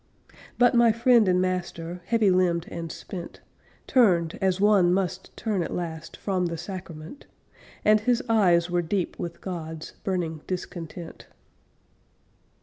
But my friend and master, Heavy limbed and spent, Turned, as one must turn at last From the sacrament; And his eyes were deep with God's Burning discontent.